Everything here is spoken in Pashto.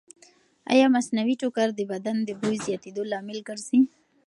ایا مصنوعي ټوکر د بدن د بوی زیاتېدو لامل ګرځي؟